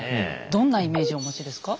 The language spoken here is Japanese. どんなイメージお持ちですか？